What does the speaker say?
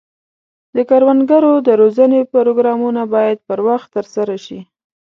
د کروندګرو د روزنې پروګرامونه باید پر وخت ترسره شي.